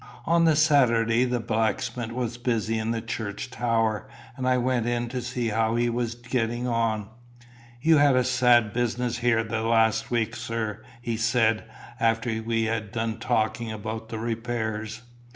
On the Saturday the blacksmith was busy in the church tower, and I went in to see how he was getting on. "You had a sad business here the last week, sir," he said, after we had done talking about the repairs.